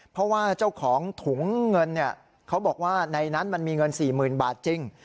เพราะว่าเจ้าของถุงเงินเขาบอกว่าในนั้นมันมีเงิน๔๐๐๐บาทจริง